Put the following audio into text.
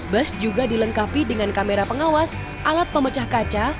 bus juga dilengkapi dengan kamera pengawas alat pemecah kaca